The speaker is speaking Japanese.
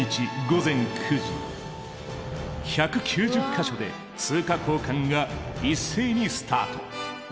１９０か所で通貨交換が一斉にスタート。